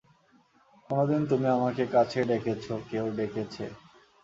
কোনোদিন তুমি আমাকে কাছে ডেকেছ কেউ ডেকেছে!